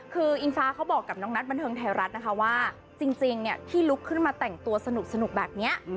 คืออิงฟ้าเขาบอกกับน้องนัทบันเทิงไทยรัฐนะคะว่าจริงที่ลุกขึ้นมาแต่งตัวสนุกแบบนี้